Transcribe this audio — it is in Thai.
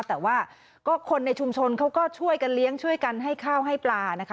แต่ว่าก็คนในชุมชนเขาก็ช่วยกันเลี้ยงช่วยกันให้ข้าวให้ปลานะคะ